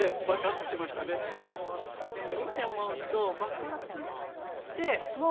でも今思うと爆発して。